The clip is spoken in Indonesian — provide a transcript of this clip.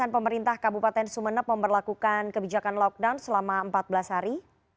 pemerintah kabupaten sumeneb memperlakukan kebijakan lockdown selama empat belas hari